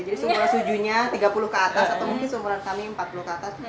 jadi seumuran sujunya tiga puluh ke atas atau mungkin seumuran kami yang empat puluh ke atas